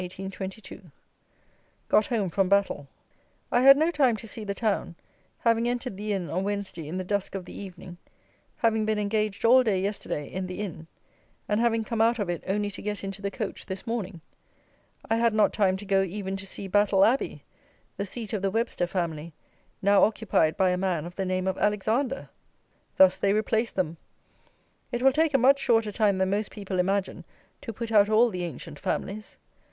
_ Got home from Battle. I had no time to see the town, having entered the Inn on Wednesday in the dusk of the evening, having been engaged all day yesterday in the Inn, and having come out of it only to get into the coach this morning. I had not time to go even to see Battle Abbey, the seat of the Webster family, now occupied by a man of the name of Alexander! Thus they replace them! It will take a much shorter time than most people imagine to put out all the ancient families.